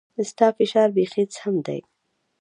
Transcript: ستا فشار بيخي سم ديه.